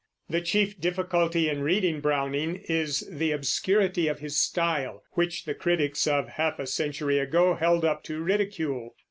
The chief difficulty in reading Browning is the obscurity of his style, which the critics of half a century ago held up to ridicule.